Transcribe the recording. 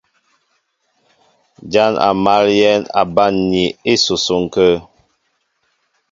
Ján a mǎl yɛ̌n a banmni ísusuŋ kə̂.